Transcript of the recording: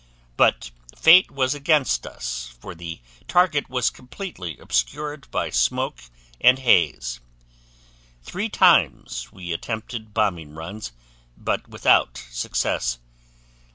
But fate was against us, for the target was completely obscured by smoke and haze. Three times we attempted bombing runs, but without success.